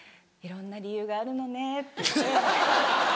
「いろんな理由があるのね」って言って。